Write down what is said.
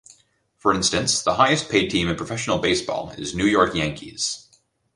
For instance, the highest-paid team in professional baseball is New York Yankees.